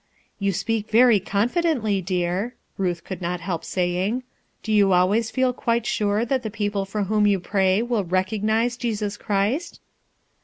"You speak very confidently, dear/' Ruth could not help saying. * Do you always feel quite sure that the people for whom you pray will 'recognize* Jesus Christ?"